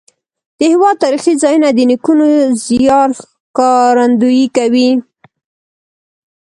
د هېواد تاریخي ځایونه د نیکونو زیار ښکارندویي کوي.